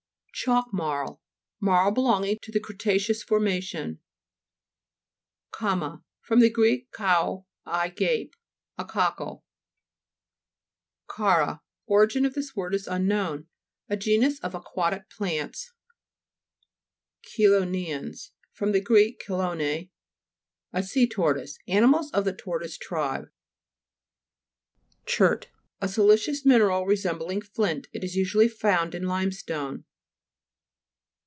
CHALK MARL Marl belonging to the cretaceous formation. CHA'MA (ka ma~) fr. gr. chad, I gape. A cockle (p. 67 and 151). CHA'RA (Origin of this word is un known.) A genus of aquatic plants. CHELO'NTANS fr, gr. chelone, a sea tortoise. Animals of the tortoise tribe. CHERT A siliceous mineral resem bling flint. It is usually found in limestone.